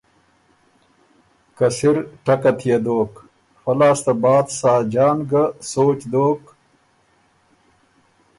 که سِر ټکت يې دوک۔ فۀ لاسنه بعد ساجان ګه سوچ دوک